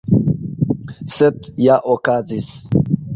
Sed ja okazis!